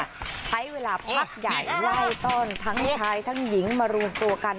ใช้เวลาพักใหญ่ไล่ต้อนทั้งชายทั้งหญิงมารวมตัวกัน